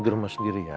gue banget ingatnya